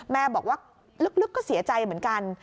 แม่บอกว่าลึกก็เสียใจเหมือนกัน